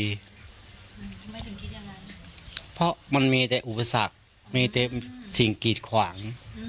ทำไมถึงคิดอย่างนั้นเพราะมันมีแต่อุปสรรคมีแต่สิ่งกีดขวาง